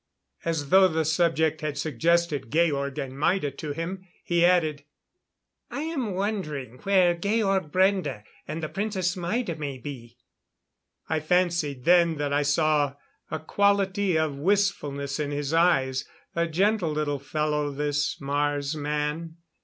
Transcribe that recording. As though the subject had suggested Georg and Maida to him, he added, "I am wondering where Georg Brende and the Princess Maida may be." I fancied then that I saw a quality of wistfulness in his eyes. A gentle little fellow, this Mars man.